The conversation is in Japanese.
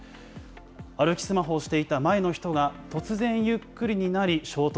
歩きスマホをしていた前の人が、突然ゆっくりになり衝突。